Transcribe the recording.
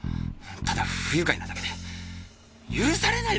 ただ不愉快なだけで許されないでしょう